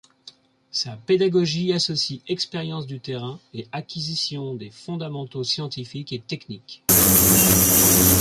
Sa pédagogie associe expérience du terrain et acquisition des fondamentaux scientifiques et techniques.